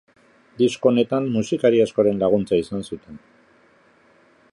Disko honetan, musikari askoren laguntza izan zuten.